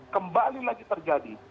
kembali lagi terjadi